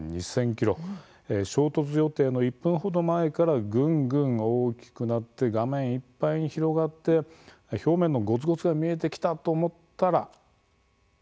衝突予定の１分程前からぐんぐん大きくなって画面いっぱいに広がって表面のごつごつが見えてきたと思ったら。